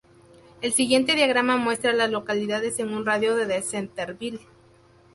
El siguiente diagrama muestra a las localidades en un radio de de Centerville.